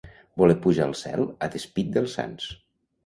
Voler pujar al cel a despit dels sants.